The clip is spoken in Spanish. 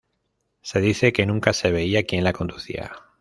Se dice que nunca se veía quien la conducía.